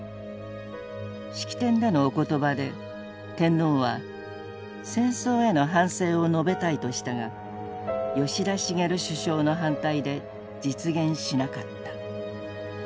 式典での「おことば」で天皇は戦争への反省を述べたいとしたが吉田茂首相の反対で実現しなかった。